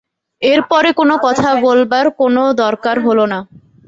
এর পরে কোনো কথা বলবার কোনো দরকার হল না।